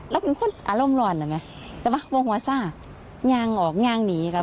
แล้วเป็นคนอารมณ์ร้อนนะไหมจะมาวงวาซ่ายางออกยางหนีกัน